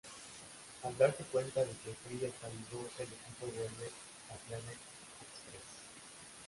Al darse cuenta de que Fry está vivo, el equipo vuelve a Planet Express.